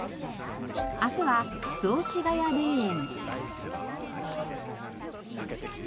明日は雑司ケ谷霊園。